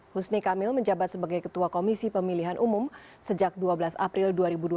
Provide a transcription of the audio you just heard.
husni kamil menjabat sebagai ketua komisi pemilihan umum sejak dua belas april dua ribu dua puluh